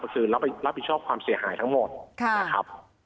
คือรับผิดชอบความเสียหายทั้งหมดนะครับ